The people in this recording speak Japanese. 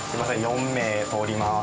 ４名通ります。